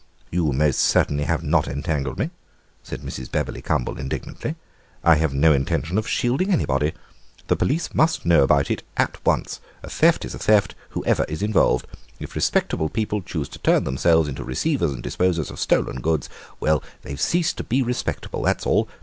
"You most certainly have not entangled me," said Mrs. Bebberly Cumble indignantly. "I have no intention of shielding anybody. The police must know about it at once; a theft is a theft, whoever is involved. If respectable people choose to turn themselves into receivers and disposers of stolen goods, well, they've ceased to be respectable, that's all.